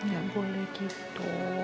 gak boleh gitu